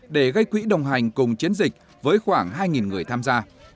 để gây quỹ đồng hành cùng chiến dịch với khoảng hai người tham gia